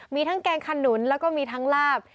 มีทั้งแกงขนุนแล้วก็มีทั้งลาบ